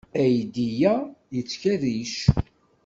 Aydi-a yettkerric.